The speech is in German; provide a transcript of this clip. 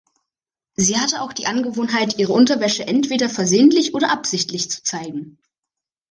Sie hatte auch die Angewohnheit, ihre Unterwäsche entweder versehentlich oder absichtlich zu zeigen.